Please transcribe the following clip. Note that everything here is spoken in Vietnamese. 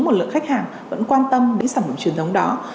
một lượng khách hàng vẫn quan tâm đến sản phẩm truyền thống đó